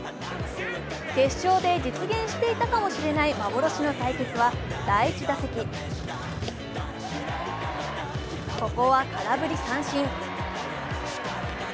決勝で実現していたかもしれない幻の対決は第１打席、ここは空振り三振。